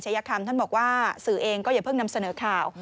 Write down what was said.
คำท่านบอกว่าสื่อเองก็อย่าเพิ่งนำเสนอข่าว